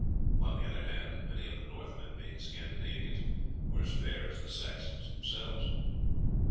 Upon the other hand many of the Northmen, being Scandinavians, were as fair as the Saxons themselves.